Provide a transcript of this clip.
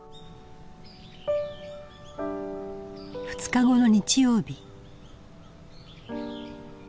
２日後の日曜日。